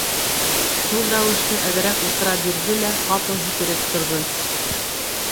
Шул рәүешле әҙерәк ултыра бирҙе лә ҡапыл һикереп торҙо.